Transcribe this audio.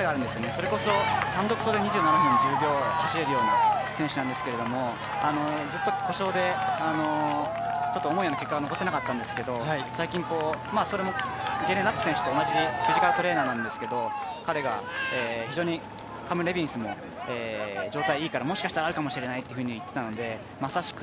それこそ単独走で２７分１０秒を走れるような選手なんですけれどもずっと故障で思うような結果が残せなかったんですけど最近、ゲーレン・ラップ選手と同じフィジカルトレーナーなんですけど彼が非常に状態いいからもしかしたらあるかもしれないということを言っていましたがまさしく